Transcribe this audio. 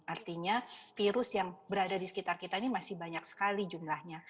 artinya virus yang berada di sekitar kita ini masih banyak sekali jumlahnya